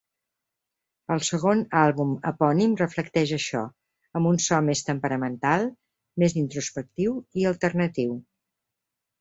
El segon àlbum epònim reflecteix això, amb un so més temperamental, més introspectiu i 'alternatiu'.